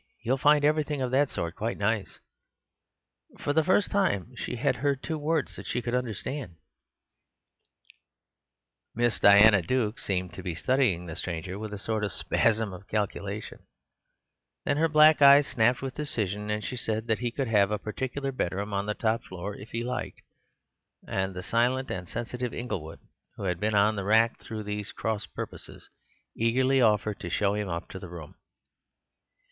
"You will find everything of that sort quite nice." For the first time she had heard two words that she could understand. Miss Diana Duke seemed to be studying the stranger with a sort of spasm of calculation; then her black eyes snapped with decision, and she said that he could have a particular bedroom on the top floor if he liked: and the silent and sensitive Inglewood, who had been on the rack through these cross purposes, eagerly offered to show him up to the room.